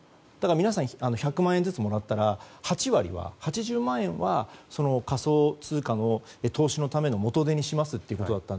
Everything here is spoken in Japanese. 皆さん１００万円ずつもらったら８０万円は仮想通貨の投資のための元手にしますということでした。